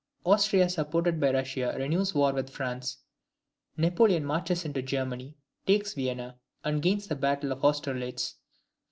Austria, supported by Russia, renews war with France. Napoleon marches into Germany, takes Vienna, and gains the battle of Austerlitz.